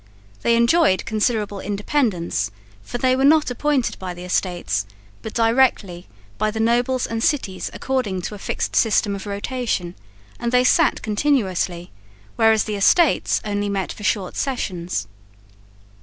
They enjoyed considerable independence, for they were not appointed by the Estates but directly by the nobles and cities according to a fixed system of rotation, and they sat continuously, whereas the Estates only met for short sessions.